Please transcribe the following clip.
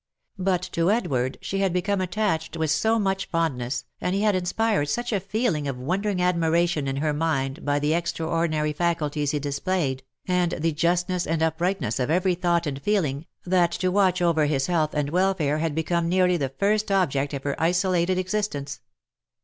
But to Edward she had become attached with so much fondness, and he had inspired such a feeling of wondering admiration in her mind by the extraor dinary faculties he displayed, and the justness and uprightness of every thought and feeling, that to watch over his health and welfare had be come nearly the first object of her isolated existence.